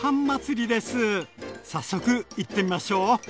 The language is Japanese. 早速いってみましょう！